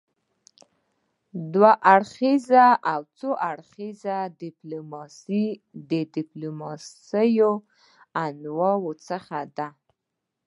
دوه اړخیزه او څو اړخیزه ډيپلوماسي د ډيپلوماسي د انواعو څخه دي.